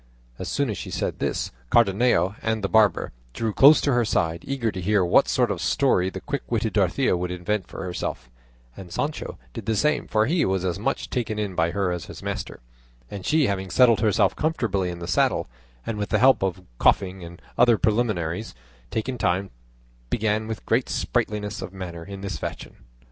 As soon as she said this, Cardenio and the barber drew close to her side, eager to hear what sort of story the quick witted Dorothea would invent for herself; and Sancho did the same, for he was as much taken in by her as his master; and she having settled herself comfortably in the saddle, and with the help of coughing and other preliminaries taken time to think, began with great sprightliness of manner in this fashion.